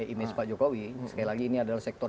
image pak jokowi sekali lagi ini adalah sektor